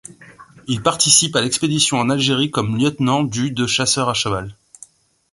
Il participe à l'expédition en Algérie comme lieutenant du de chasseurs à cheval.